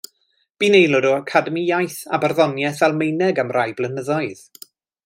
Bu'n aelod o Academi Iaith a Barddoniaeth Almaeneg am rai blynyddoedd.